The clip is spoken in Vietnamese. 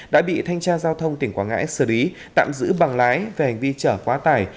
đã bị thanh tra giao thông tỉnh quảng ngãi xử lý tạm giữ bằng lái về hành vi chở quá tải